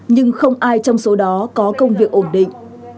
nhưng không ai trong số đó có công việc ổn định